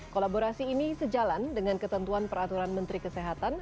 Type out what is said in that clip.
kolaborasi ini sejalan dengan ketentuan peraturan menteri kesehatan